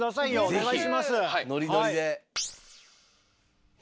お願いします。